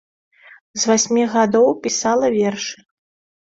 З васьмі гадоў пісала вершы.